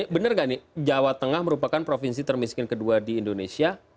benar nggak nih jawa tengah merupakan provinsi termiskin kedua di indonesia